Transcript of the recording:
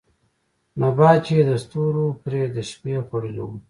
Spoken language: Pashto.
نبات چې يې د ستورو پرې د شپې خـوړلې وو